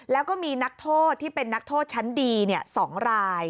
แล้วก็มีนักโทษที่เป็นนักโทษชั้นดี๒ราย